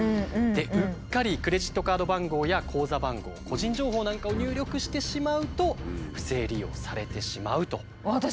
うっかりクレジットカード番号や口座番号個人情報なんかを入力してしまうと不正利用されてしまうと。